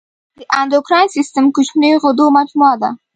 د اندوکراین سیستم کوچنیو غدو مجموعه ده.